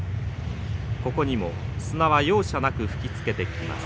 ここにも砂は容赦なく吹きつけてきます。